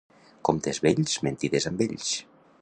Comptes vells, mentides amb ells.